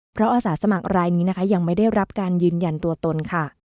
เพราะอาสาสมัครรายนี้นะคะยังไม่ได้รับการยืนยันตัวตนค่ะ